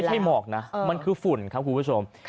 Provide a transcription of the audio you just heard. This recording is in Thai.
หมอกนะมันคือฝุ่นครับคุณผู้ชม